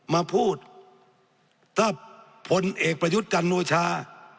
มาพูดถ้าพลเอกประยุทธ์จันโอชา